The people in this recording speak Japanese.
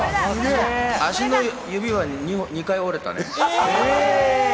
足の指は２回折れたね。